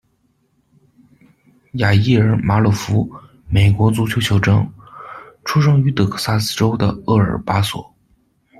雅伊尔·马鲁福，美国足球球证，出生于德克萨斯州的厄尔巴索。